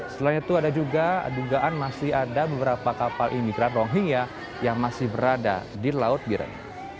selain itu ada juga dugaan masih ada beberapa kapal imigran rohingya yang masih berada di laut biren